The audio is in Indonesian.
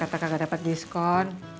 kira kira kakak gak dapat diskon